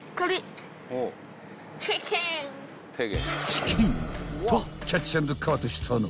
［チキーンとキャッチ＆カートしたのは］